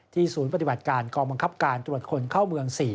ศูนย์ปฏิบัติการกองบังคับการตรวจคนเข้าเมือง๔